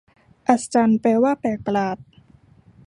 อัศจรรย์ แปลว่าแปลกประหลาด